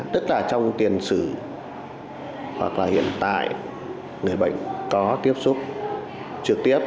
tức là trong tiền sử hoặc là hiện tại người bệnh có tiếp xúc trực tiếp